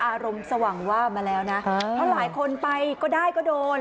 อารมณ์สว่างว่ามาแล้วนะเพราะหลายคนไปก็ได้ก็โดน